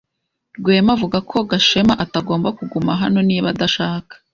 Rwema avuga ko Gashema atagomba kuguma hano niba adashaka.